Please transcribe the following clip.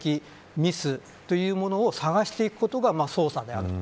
ミスというものを探していくことが捜査であると。